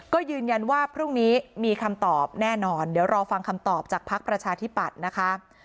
ก็ยืนยันว่าพรุ่งนี้มีคำตอบแน่นอนเดี๋ยวรอฟังคำตอบจากภักดิ์ประชาธิปัตย์นะคะ